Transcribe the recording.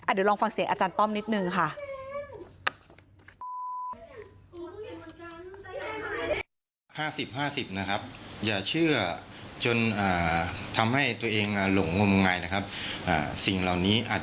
เดี๋ยวลองฟังเสียงอาจารย์ต้อมนิดนึงค่ะ